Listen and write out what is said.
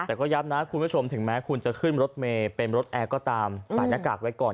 แต่ก็ย้ำนะคุณผู้ชมถึงแม้คุณจะขึ้นรถเมย์เป็นรถแอร์ก็ตามใส่หน้ากากไว้ก่อน